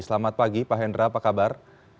selamat pagi pak hendra apa kabar